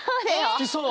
すきそう。